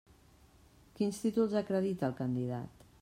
Quins títols acredita el candidat?